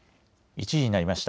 １時になりました。